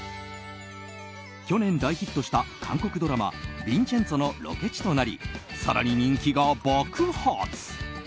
去年、大ヒットした韓国ドラマ「ヴィンチェンツォ」のロケ地となり更に人気が爆発。